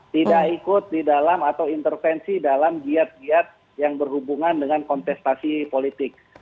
tidak ikut di dalam atau intervensi dalam giat giat yang berhubungan dengan kontestasi politik